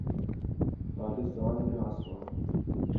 پاکستان میں اسما